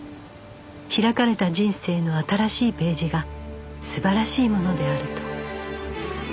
開かれた人生の新しいページが素晴らしいものであると